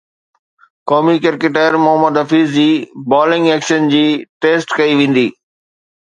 قومي ڪرڪيٽر محمد حفيظ جي bowling action جي ٽيسٽ ڪئي ويندي